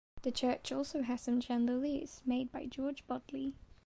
The church also has some chandeliers made by George Bodley.